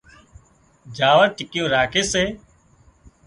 جاور ٽِڪيُون راکي سي